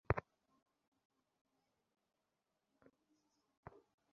শুনানির সময় আসামির সংখ্যা গণনাকালে মোরশেদ মিলটনের অনুপস্থিতির বিষয়টি নজরে আসে আদালতের।